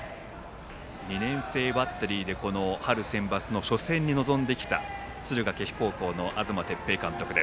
２年生バッテリーで春センバツの初戦に臨んできた敦賀気比高校の東哲平監督。